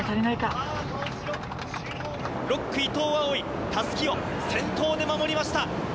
６区・伊藤蒼唯、襷を先頭で守りました。